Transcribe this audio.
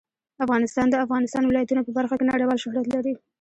افغانستان د د افغانستان ولايتونه په برخه کې نړیوال شهرت لري.